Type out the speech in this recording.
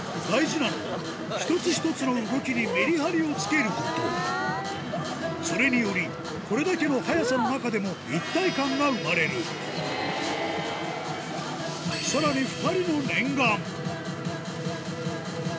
大事なのは１つ１つの動きにメリハリをつけることそれによりこれだけの速さの中でも一体感が生まれるさらに２人の念願